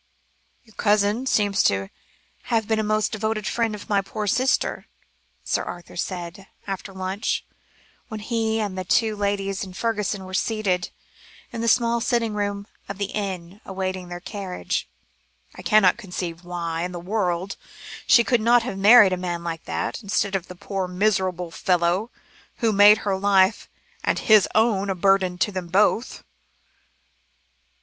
"Your cousin seems to have been a most devoted friend to my poor sister," Sir Arthur said, after lunch, when he and the two ladies and Fergusson were seated in the small sitting room of the inn awaiting their carriage. "I cannot conceive why, in the world she could not have married a man like that, instead of the poor miserable fellow who made her life and his own, a burden to them both."